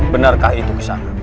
benarkah itu kesana